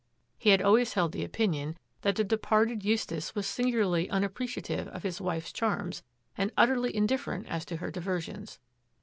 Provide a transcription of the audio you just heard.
He had always held the opinion that the departed Eustace was singularly unappre ciative of his wife's charms and utterly indifferent as to her diversions.